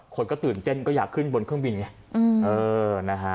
คนก็ตื่นเต้นก็อยากขึ้นบนเครื่องบินไง